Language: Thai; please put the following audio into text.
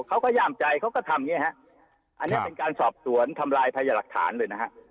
ย่ามใจเขาก็ทำอย่างนี้ฮะอันนี้เป็นการสอบสวนทำลายพยาหลักฐานเลยนะฮะ